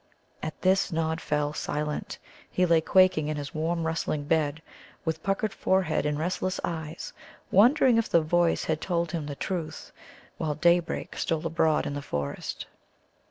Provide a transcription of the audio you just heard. At this Nod fell silent. He lay quaking in his warm, rustling bed, with puckered forehead and restless eyes, wondering if the voice had told him the truth, while daybreak stole abroad in the forest.